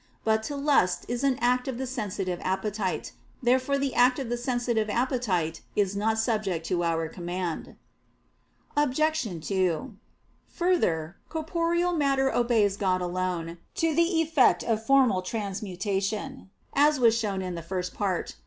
But to lust is an act of the sensitive appetite. Therefore the act of the sensitive appetite is not subject to our command. Obj. 2: Further, corporeal matter obeys God alone, to the effect of formal transmutation, as was shown in the First Part (Q.